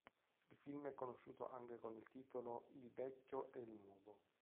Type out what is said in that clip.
Il film è conosciuto anche con il titolo Il vecchio e il nuovo.